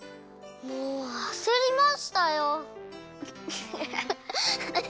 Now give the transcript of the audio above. もうあせりましたよ。